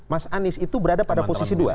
mas anies itu berada pada posisi dua